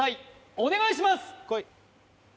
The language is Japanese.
お願いします